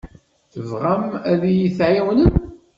Tebɣam ad iyi-tɛiwnem?